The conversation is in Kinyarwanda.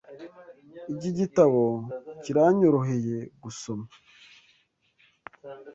Iki gitabo kiranyoroheye gusoma.